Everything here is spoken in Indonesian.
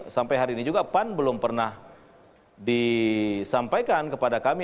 sampai hari ini juga pan belum pernah disampaikan kepada kami